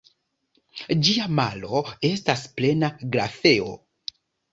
Ĝia malo estas plena grafeo.